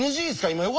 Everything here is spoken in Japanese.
今。